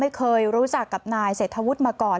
ไม่เคยรู้จักกับนายเศรษฐวุฒิมาก่อน